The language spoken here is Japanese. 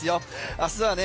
明日はね